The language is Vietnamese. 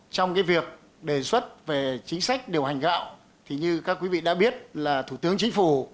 trong việc đề xuất về chính sách điều hành gạo thì như các quý vị đã biết là thủ tướng chính phủ